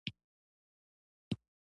چرګان د افغانانو د ژوند طرز اغېزمنوي.